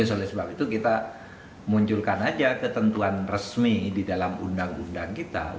oleh sebab itu kita munculkan aja ketentuan resmi di dalam undang undang kita